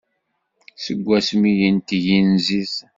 Seg wasmi yenteg yinziz.